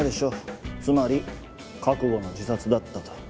つまり覚悟の自殺だったと。